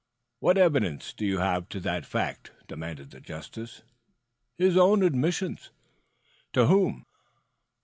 "What evidence have you of the fact?" demanded the justice. "His own admissions." "To whom?"